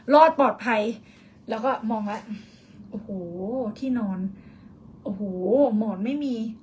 รอดปลอดภัยแล้วก็มองแล้วโอ้โหที่นอนโอ้โหหมอนไม่มี